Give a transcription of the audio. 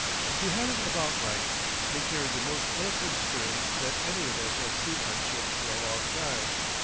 He had it about right. They carried the most eloquent sterns that any of us had seen on ships for a long time.